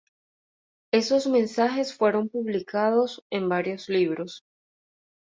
Esos mensajes fueron publicados en varios libros.